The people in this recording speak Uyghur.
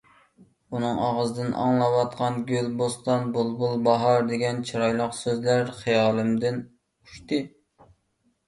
ئۇنىڭ ئاغزىدىن ئاڭلاۋاتقان گۈل، بوستان، بۇلبۇل، باھار دېگەن چىرايلىق سۆزلەر خىيالىمدىن ئۇچتى.